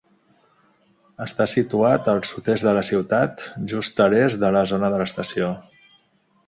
Està situat al sud-est de la ciutat, just a l'est de la zona de l'estació.